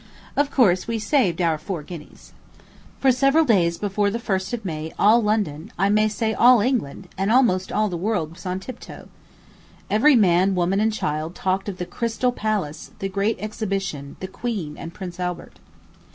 Of course, we saved our four guineas. For several days before the 1st of May all London, I may say all England, and almost all the world was on tiptoe. Every man, woman, and child talked of "the Crystal Palace, the great exhibition, the queen, and prince Albert."